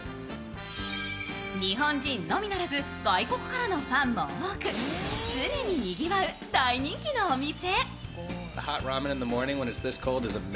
日本人のみならず外国からのファンも多く常ににぎわう大人気のお店。